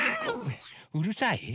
うるさい？